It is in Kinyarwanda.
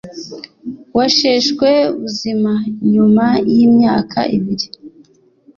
washeshwe buzima nyuma y imyaka ibiri